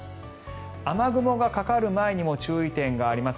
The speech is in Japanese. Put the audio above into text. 雨雲がかかる前にも注意点があります。